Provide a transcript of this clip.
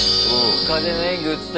深手の演技映った。